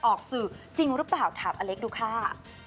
ออกสื่อจริงหรือเปล่าถามอเล็กดูค่ะ